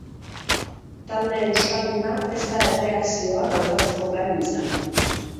Talde euskalduna ez da erreakzioa gauzatzeko gai izan.